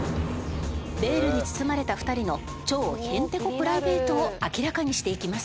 ベールに包まれた２人の超ヘンテコプライベートを明らかにしていきます。